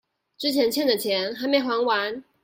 之前欠的錢還沒還完